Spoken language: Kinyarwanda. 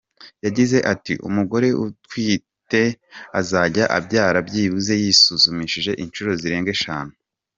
Yagize ati “umugore utwite azajya abyara byibuze yisuzumushije inshuro zirenga eshanu”.